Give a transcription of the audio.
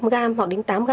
bảy năm g hoặc đến tám g